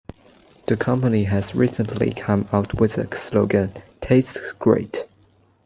The company has recently come out with the slogan, Tastes great!